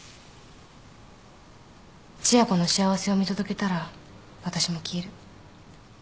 千夜子の幸せを見届けたら私も消える。